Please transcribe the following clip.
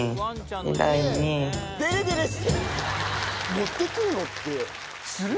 持って来るのってする？